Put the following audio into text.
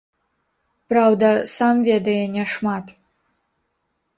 Праўда, сам ведае няшмат.